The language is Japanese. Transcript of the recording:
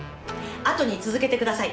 後に続けてください。